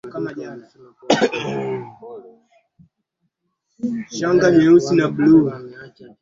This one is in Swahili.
mradi kwa laser Scan swaths kubwa ya